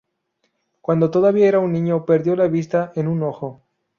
Cuando todavía era un niño perdió la vista en un ojo.